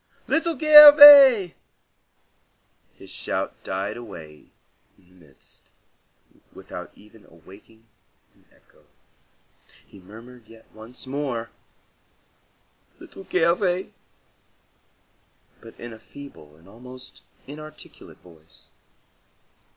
Little Gervais!" His shout died away in the mist, without even awakening an echo. He murmured yet once more, "Little Gervais!" but in a feeble and almost inarticulate voice.